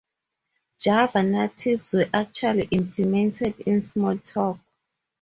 Java natives were actually implemented in Smalltalk.